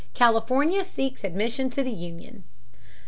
California seeks Admission to the Union.